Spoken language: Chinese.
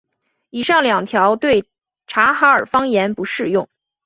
以上两条对察哈尔方言不适用。